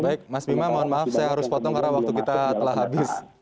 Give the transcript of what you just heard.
baik mas bima mohon maaf saya harus potong karena waktu kita telah habis